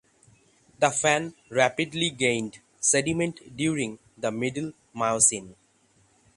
The fan rapidly gained sediment during the middle Miocene.